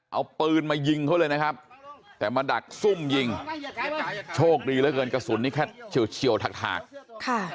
เอาปืนมายิงเขาเลยนะครับแต่มาดักซุ่มยิงโชคดีเหลือเกินกระสุนนี้แค่เฉียวถากถากค่ะ